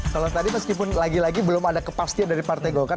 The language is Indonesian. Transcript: kalau tadi meskipun lagi lagi belum ada kepastian dari partai golkar